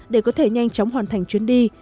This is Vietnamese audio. để có thể nhanh chóng hoàn thành chuyến đi